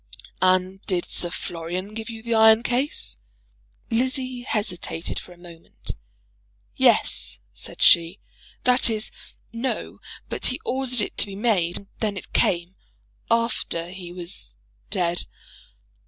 "And did Sir Florian give you the iron case?" Lizzie hesitated for a moment. "Yes," said she. "That is, no. But he ordered it to be made; and then it came, after he was dead."